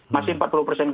masih empat puluh persen